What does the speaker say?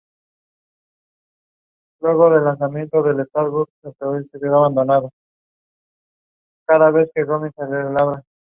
La actitud de la escritora fue calificada de ridícula y fuera de lugar.